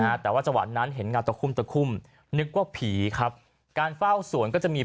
ฮะแต่ว่าจังหวะนั้นเห็นเงาตะคุ่มตะคุ่มนึกว่าผีครับการเฝ้าสวนก็จะมี